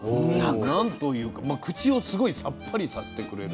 何というかまあ口をすごいさっぱりさせてくれる。